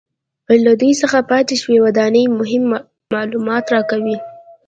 له دوی څخه پاتې شوې ودانۍ مهم معلومات راکوي